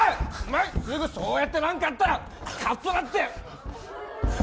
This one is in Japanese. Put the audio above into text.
すぐそうやって何かあったらカッとなって。